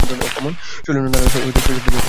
শৈলেন্দ্র নারায়ণ শৈশব থেকেই মেধাবী ছাত্র ছিলেন।